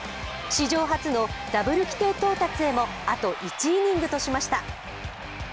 史上初のダブル規定到達へもあと１イニングとしました。